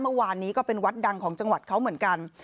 เมื่อวานนี้ก็เป็นวัดดังของจังหวัดเขาเหมือนกัน